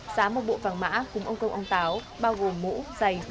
sám một bộ vàng mã cùng ông công ông táo bao gồm mũ giày